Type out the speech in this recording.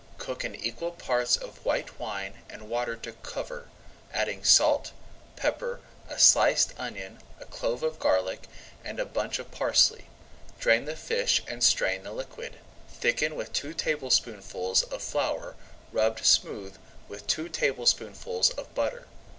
Cook in equal parts of white wine and water to cover, adding salt, pepper, a sliced onion, a clove of garlic, and a bunch of parsley. Drain the fish and strain the liquid. Thicken with two tablespoonfuls of flour rubbed smooth with two tablespoonfuls of butter.